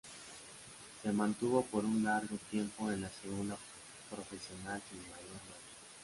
Se mantuvo por un largo tiempo en la Segunda profesional sin mayor logro.